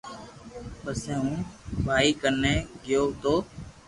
پسي ھون ڀائي ڪني گيو تو